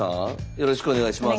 よろしくお願いします。